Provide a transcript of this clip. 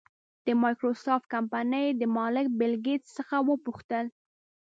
د مایکروسافټ کمپنۍ د مالک بېل ګېټس څخه وپوښتل.